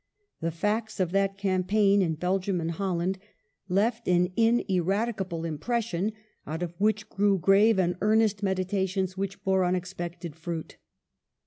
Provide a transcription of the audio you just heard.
The facts of that campaign in Belgium and Holland left an ineradicable impression, out of which grew grave and earnest meditations which bore unexpected fruit.